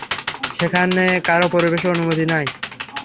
সেখানে কারো প্রবেশের অনুমতি নাই।